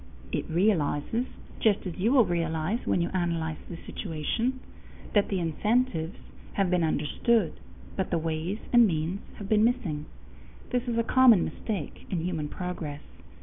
It realizes, just as you will realize when you analyze the situation, that the incentives have been understood, but the ways and means have been missing. This is a common mistake in human progress.